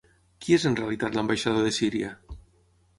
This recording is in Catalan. Qui és en realitat l'ambaixador de Síria?